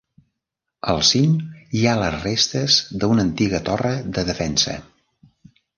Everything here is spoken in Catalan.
Al cim hi ha les restes d'una antiga torre de defensa.